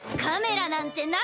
カメラなんて